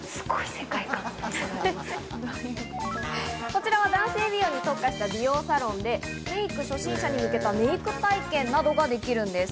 こちらは男性美容に特化した美容サロンで、メイク初心者に向けたメイク体験などができるんです。